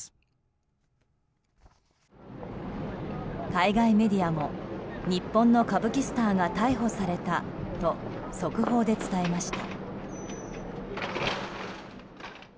海外メディアも日本の歌舞伎スターが逮捕されたと速報で伝えました。